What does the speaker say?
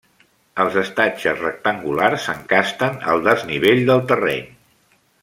Els estatges rectangulars s'encasten al desnivell del terreny.